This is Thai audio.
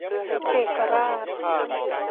เอกราช